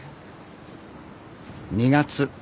２月。